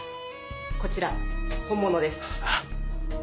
こちら本物です。